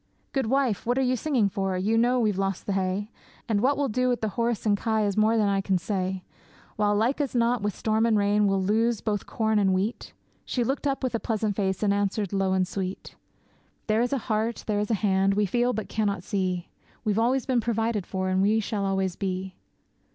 'Good wife, what are you singing for? you know we've lost the hay, And what we'll do with horse and kye is more than I can say; While, like as not, with storm and rain, we'll lose both corn and wheat.' She looked up with a pleasant face, and answered low and sweet, There is a Heart, there is a Hand, we feel but cannot see; We've always been provided for, and we shall always be.'